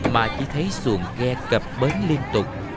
mà chỉ thấy xuồng ghe cập bến liên tục